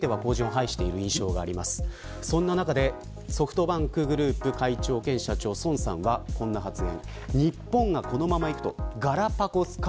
そんな中、ソフトバンクグループ会長兼社長孫さんはこんな発言。